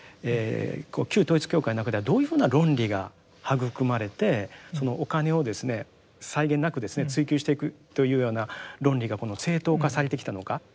旧統一教会の中ではどういうふうな論理が育まれてそのお金を際限なく追求していくというような論理が正当化されてきたのか。